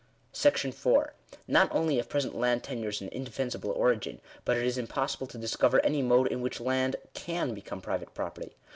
§4. Not only have present land tenures an indefensible origin, but it is impossible to discover any mode in which land can become private property.